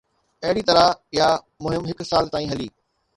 اهڙي طرح اها مهم هڪ سال تائين هلي.